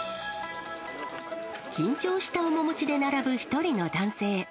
緊張した面持ちで並ぶ１人の男性。